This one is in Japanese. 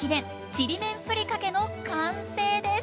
「ちりめんふりかけ」の完成です！